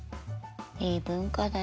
いい文化だよね。